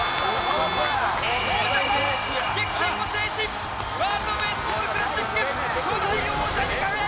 王ジャパン激戦を制しワールドベースボールクラシック初代王者に輝きました！